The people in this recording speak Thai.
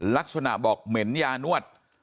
ลักษณะบอกเหม็นยานวด